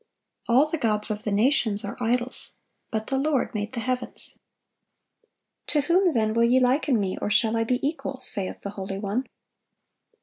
"All the gods of the nations are idols: but the Lord made the heavens."(726) "To whom then will ye liken Me, or shall I be equal? saith the Holy One.